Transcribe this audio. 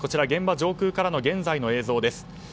現場上空からの現在の映像です。